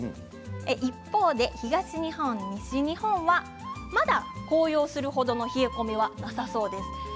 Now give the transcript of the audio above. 一方で東日本、西日本はまだ紅葉する程の冷え込みはなさそうです。